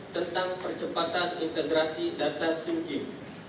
tentang percepatan integrasi data simging